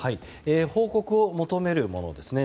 報告を求めるものですね。